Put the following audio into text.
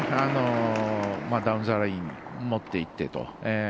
ダウンザラインにもっていってと。